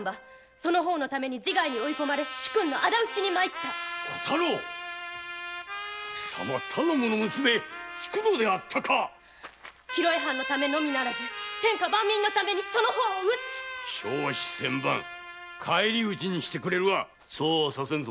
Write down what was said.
その方のために自害せらりし主君の仇討ちに参った小太郎貴様頼母の娘菊乃であったか広江藩のためのみならず天下万民のためにその方を討つ笑止千万返り討ちにしてくれるわそうはさせんぞ。